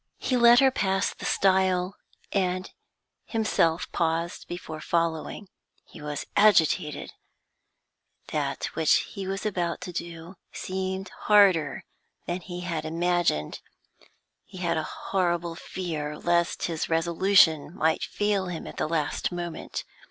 He let her pass the stile, and himself paused before following. He was agitated; that which he was about to do seemed harder than he had imagined; he had a horrible fear lest his resolution might fail at the last moment.